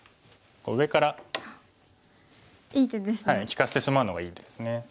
利かしてしまうのがいいですね。